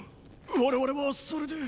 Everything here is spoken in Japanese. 我々はそれで。